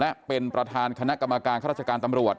และเป็นประธานคณะกรรมการข้าราชการตำรวจ